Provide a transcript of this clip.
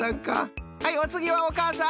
はいおつぎはおかあさん。